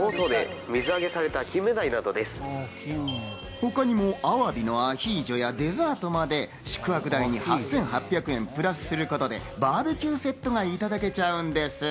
他にもアワビのアヒージョやデザートまで、宿泊代に８８００円プラスすることで、バーベキューセットが頂けちゃうんです。